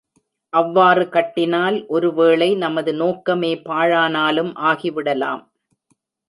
அவ்வாறு கட்டினால் ஒருவேளை நமது நோக்கமே பாழானாலும் ஆகிவிடலாம்.